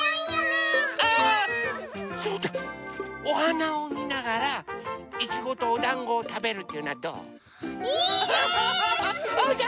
おはなをみながらいちごとおだんごをたべるっていうのはどう？